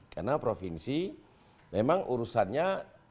karena provinsi memang urusannya